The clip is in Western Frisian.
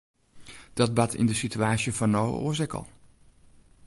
Dat bart yn de sitewaasje fan no oars ek al.